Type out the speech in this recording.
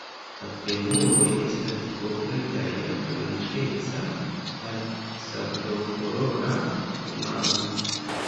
La femuroj estas kovritaj de blankeca al sablokolora plumaro.